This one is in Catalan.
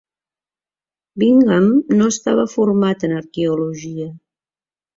Bingham no estava format en arqueologia.